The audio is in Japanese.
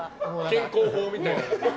健康法みたいな。